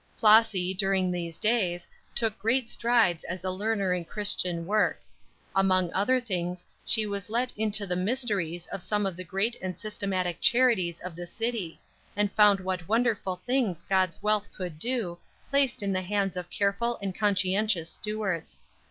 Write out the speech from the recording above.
Flossy, during these days, took great strides as a learner in Christian work. Among other things, she was let into the mysteries of some of the great and systematic charities of the city, and found what wonderful things God's wealth could do, placed in the hands of careful and conscientious stewards.